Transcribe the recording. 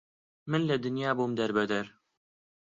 من لە دونیا بوم دەر بەدەر